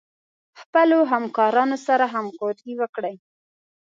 خپلو همکارانو سره همکاري وکړئ.